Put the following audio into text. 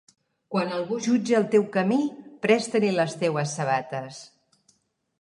Quan algú jutge el teu camí, presta-li les teues sabates.